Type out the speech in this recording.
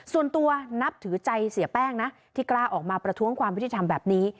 ส่วนตัวนับถือใจเสียแป้งนะที่กล้าออกมาประท้วงความยุติธรรมแบบนี้